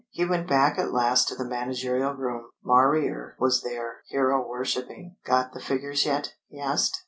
He went back at last to the managerial room. Marrier was there, hero worshipping. "Got the figures yet?" he asked.